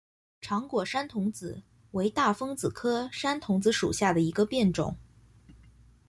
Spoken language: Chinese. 长果山桐子为大风子科山桐子属下的一个变种。